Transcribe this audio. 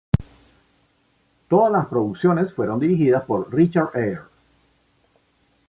Todas los producciones fueron dirigidas por Richard Eyre.